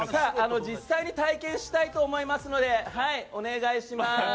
実際に体験したいと思いますのでお願いします。